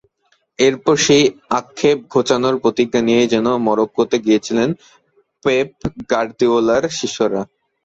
এবার সেই আক্ষেপ ঘোচানোর প্রতিজ্ঞা নিয়েই যেন মরক্কোতে গিয়েছিলেন পেপ গার্দিওলার শিষ্যরা।